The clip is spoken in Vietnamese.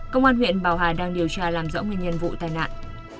công an huyện bảo hà đang điều tra làm rõ nguyên nhân vụ tai nạn